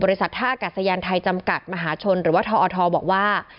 ท่าอากาศยานไทยจำกัดมหาชนหรือว่าทอทบอกว่า